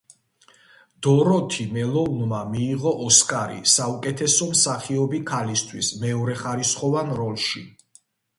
დოროთი მელოუნმა მიიღო ოსკარი საუკეთესო მსახიობი ქალისთვის მეორეხარისხოვან როლში.